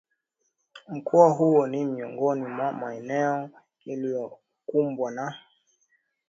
Mkoa huo ni miongoni mwa maeneo yaliyokumbwa na